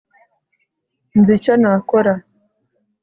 nzi icyo nakora